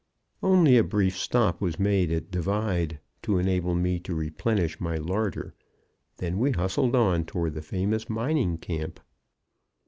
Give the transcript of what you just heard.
Only a brief stop was made at Divide to enable me to replenish my larder; then we hustled on toward the famous mining camp.